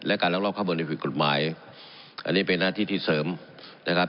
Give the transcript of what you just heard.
และการลองรอบข้าวบริษัทกฎหมายอันนี้เป็นหน้าที่ที่เสริมนะครับ